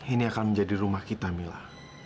ini akan menjadi rumah kita mila